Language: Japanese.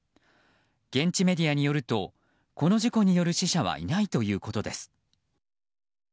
現地メディアによるとこの事故による死者はいないということです。